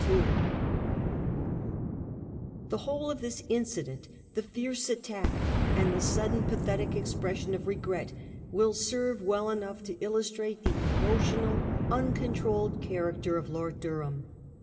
The whole of this incident, the fierce attack and the sudden pathetic expression of regret, will serve well enough to illustrate the emotional, uncontrolled character of Lord Durham.